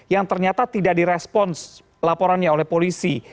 yang ternyata tidak di respons laporannya oleh polisi